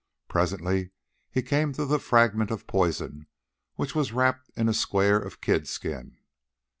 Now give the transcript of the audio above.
Presently he came to the fragment of poison which was wrapped in a square of kid skin.